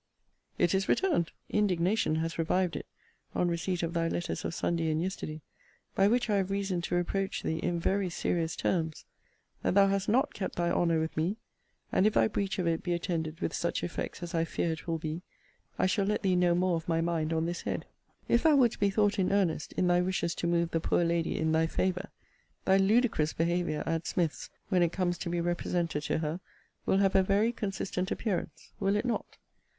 It is returned! Indignation has revived it, on receipt of thy letters of Sunday and yesterday; by which I have reason to reproach thee in very serious terms, that thou hast not kept thy honour with me: and if thy breach of it be attended with such effects as I fear it will be, I shall let thee know more of my mind on this head. If thou wouldst be thought in earnest in thy wishes to move the poor lady in thy favour, thy ludicrous behaviour at Smith's, when it comes to be represented to her, will have a very consistent appearance; will it not?